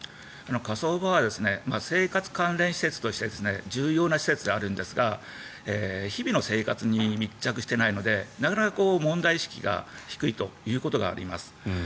火葬場は生活関連施設として重要な施設であるんですが日々の生活に密着してないのでなかなか問題意識が低いということがあります。